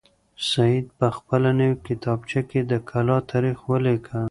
سعید په خپله نوې کتابچه کې د کلا تاریخ ولیکه.